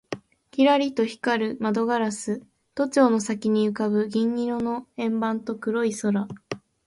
キラリと光る窓ガラス、都庁の先に浮ぶ銀色の円盤と黒い空